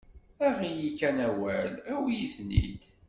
Aɣ-iyi kan awal, awi-yi-ten-id.